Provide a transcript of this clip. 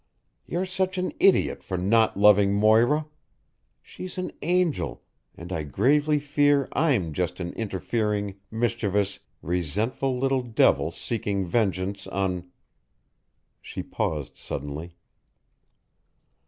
You're such an idiot for not loving Moira. She's an angel, and I gravely fear I'm just an interfering, mischievous, resentful little devil seeking vengeance on " She paused suddenly.